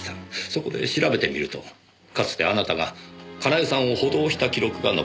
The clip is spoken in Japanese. そこで調べてみるとかつてあなたが佳苗さんを補導した記録が残っていました。